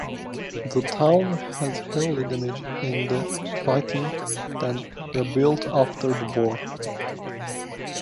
The town was heavily damaged in the fighting, then rebuilt after the war.